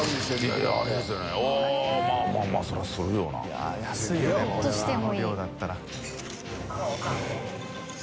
いやっ安いよでもあの量だったら。